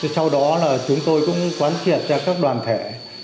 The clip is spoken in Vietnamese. sau đó là chúng tôi cũng quán triệt ra các đoàn thể